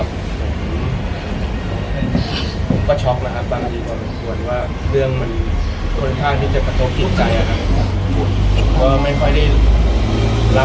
ผมก็ช็อกนะครับบางทีผมควรว่าเรื่องมันต้นทางที่จะประทบในใจนะครับ